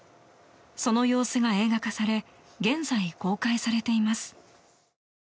その様子が映画化され現在、公開されています。